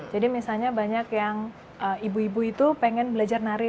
jadi misalnya banyak yang ibu ibu itu pengen belajar nari